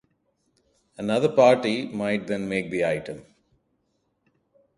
Another party might then make the item.